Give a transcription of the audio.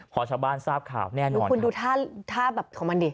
พ่อชาวบ้านทราบข่าวแน่นอนนุ้ยคุณดูท่าอย่างของมันดิ